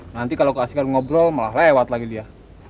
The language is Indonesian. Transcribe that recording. nanti kalau keasikan ngobrol malah lewat lagi dia